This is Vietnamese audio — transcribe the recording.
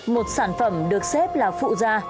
một sản phẩm được xếp là phụ da